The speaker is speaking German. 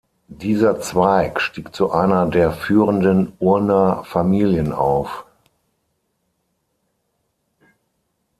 Dieser Zweig stieg zu einer der führenden Urner Familien auf.